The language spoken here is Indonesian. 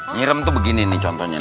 nyirem tuh begini nih contohnya